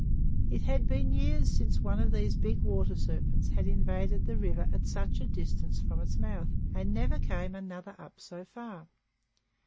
It had been years since one of these big water serpents had invaded the river at such a distance from its mouth and never came another up so far.